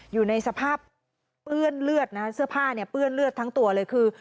อยู่ในสภาพเปื้อนเลือดนะฮะเสื้อผ้าเนี่ยเปื้อนเลือดทั้งตัวเลยคือ